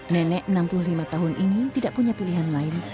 nenek enam puluh lima tahun ini tidak punya pilihan lain